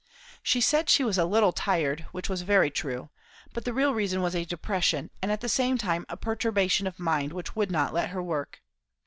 She said she was a little tired, which was very true; but the real reason was a depression and at the same time a perturbation of mind which would not let her work.